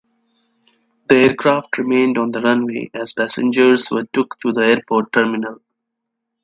The aircraft remained on the runway as passengers were took to the airport terminal.